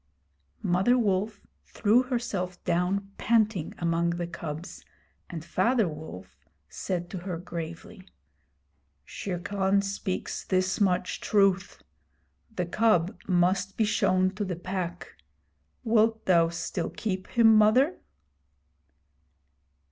Mother Wolf threw herself down panting among the cubs, and Father Wolf said to her gravely: 'Shere Khan speaks this much truth. The cub must be shown to the Pack. Wilt thou still keep him, Mother?'